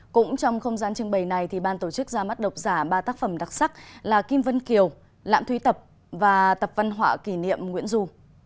cũng trong không gian trưng bày này ban tổ chức ra mắt độc giả ba tác phẩm đặc sắc là kim vân kiều lạm thúy tập và tập văn hóa kỷ niệm nguyễn du